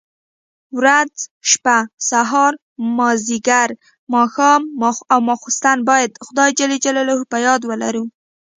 ورځ، شپه، سهار، ماځيګر، ماښام او ماخستن بايد خداى جل جلاله په ياد ولرو.